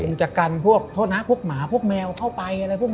คุณจักรกันพวกพวกหมาพวกแมวเข้าไปอะไรพวกนั้นหรอบ้าง